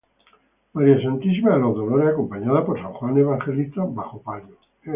María Santísima de los Dolores acompañada por San Juan Evangelista bajo palio.